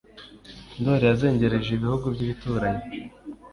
Ndoli yazengereje ibihugu by'ibituranyi,